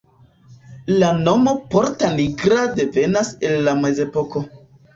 La nomo "Porta Nigra" devenas el la mezepoko.